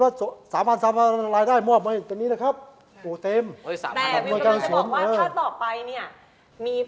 แล้วเราสามารถเขียนคำลองเข้าไปว่าเรามีการจัดการโดยคนนี้คนนี้ในพื้นที่นี้